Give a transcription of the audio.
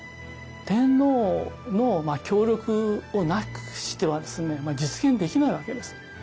天皇の協力をなくしては実現できないわけです。